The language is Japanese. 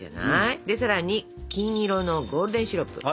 でさらに金色のゴールデンシロップ。